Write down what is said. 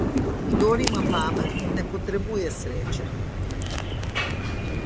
Kdor ima pamet, ne potrebuje sreče.